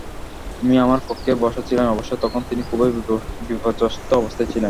তিনি আমার কক্ষেই বসা ছিলেন, অবশ্য তখন তিনি খুবই বিপর্যস্ত অবস্থায় ছিলেন।